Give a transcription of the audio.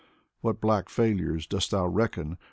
What black failures dost thou reckon?